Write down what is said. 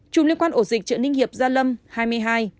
một chủng liên quan ổ dịch trợ ninh hiệp gia lâm hai mươi hai